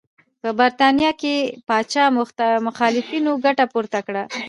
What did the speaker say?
په برېټانیا کې پاچا مخالفینو ګټه پورته کړه.